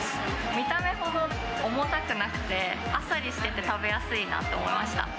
見た目ほど重たくなくて、あっさりしてて食べやすいなと思いました。